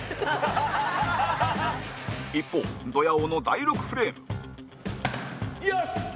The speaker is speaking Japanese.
一方、ドヤ王の第６フレーム後藤：よし！